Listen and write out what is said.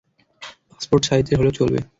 Passport সাইজের হলেও চলবে।